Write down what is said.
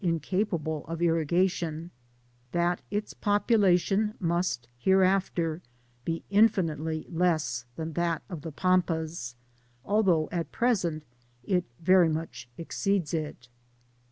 incapable of irrigation, that its population must hereafter be infinitely less than that of the Pampas, although at present it very much exceeds it.